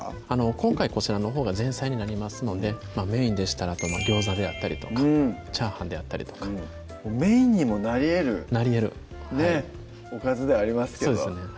今回こちらのほうが前菜になりますのでメインでしたらギョーザであったりとか炒飯であったりとかメインにもなりえるなりえるねっおかずではありますけどそうですね